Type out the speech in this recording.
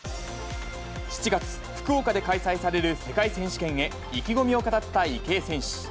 ７月、福岡で開催される世界選手権へ、意気込みを語った池江選手。